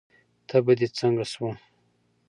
تبه دې څنګه شوه؟